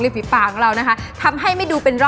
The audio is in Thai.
ริมที่ปากของเรานะคะทำให้ไม่ดูเป็นร่องลึก